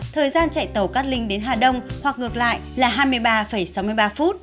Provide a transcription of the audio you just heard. thời gian chạy tàu cát linh đến hà đông hoặc ngược lại là hai mươi ba sáu mươi ba phút